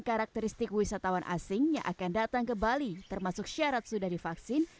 karakteristik wisatawan asing yang akan datang ke bali termasuk syarat sudah divaksin